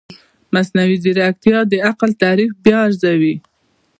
مصنوعي ځیرکتیا د عقل تعریف بیا ارزوي.